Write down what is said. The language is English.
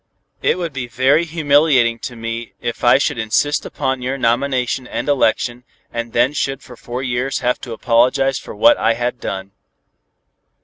It would be very humiliating to me if I should insist upon your nomination and election and then should for four years have to apologize for what I had done."